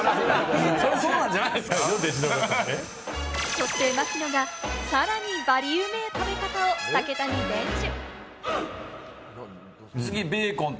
そして槙野がさらにバリうめぇ食べ方を武田に伝授！